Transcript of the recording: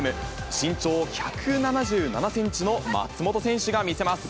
身長１７７センチの松本選手が見せます。